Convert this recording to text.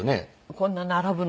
こんな並ぶの。